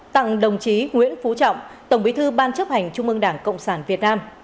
tặng đồng chí nguyễn phú trọng tổng bí thư ban chấp hành trung ương đảng cộng sản việt nam